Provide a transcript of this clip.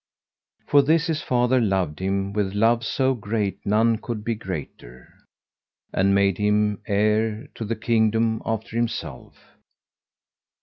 For this his father loved him with love so great none could be greater, and made him heir to the kingdom after himself.